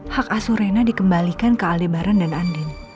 hak asur rena dikembalikan ke aldebaran dan andin